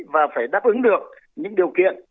và phải đáp ứng được những điều kiện